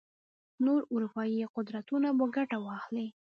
نور اروپايي قدرتونه به ګټه واخلي.